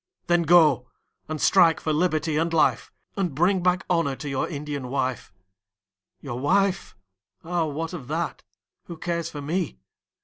Then go and strike for liberty and life, And bring back honour to your Indian wife. Your wife? Ah, what of that, who cares for me?